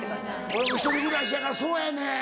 俺も１人暮らしやからそうやねん。